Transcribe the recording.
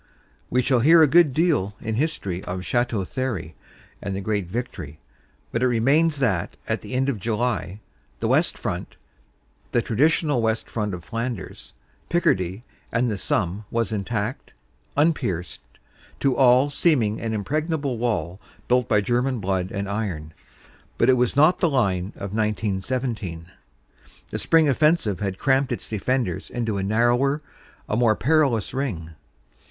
We shall hear a good deal in history of Chateau Thierry and the great victory, but it remains that at the end of July the West Front the traditional West Front of Flanders, Picardy and the Somme was intact, unpierced, to all seem ing an impregnable wall built by German blood and iron. But it was not the line of 1917. The spring offensive had cramped its defenders into a narrower, a more perilous ring.